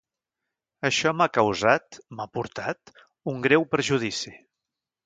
Això m'ha causat, m'ha portat, un greu perjudici.